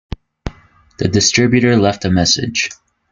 The distributor left a message.